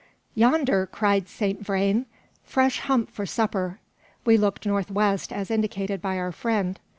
"Yonder!" cried Saint Vrain; "fresh hump for supper!" We looked north west, as indicated by our friend.